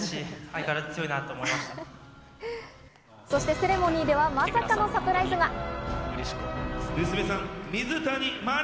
そしてセレモニーではまさかのサプライズが。